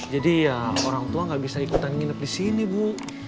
jadi ya orang tua gak bisa ikutan nginep disini bu